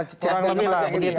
kurang lebih lah